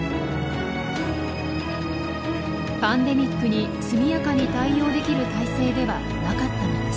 パンデミックに速やかに対応できる体制ではなかったのです。